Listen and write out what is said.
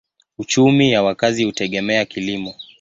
Uchumi ya wakazi hutegemea kilimo.